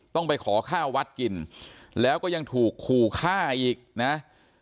ต้องไปขอข้าววัดกินแล้วก็ยังถูกขู่ฆ่าอีกนะ